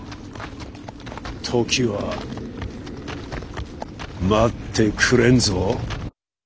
時は待ってくれんぞ。